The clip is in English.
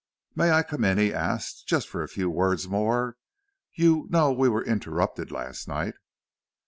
"May I come in," he asked, "just for a few words more? You know we were interrupted last night."